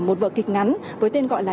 một vợ kịch ngắn với tên gọi là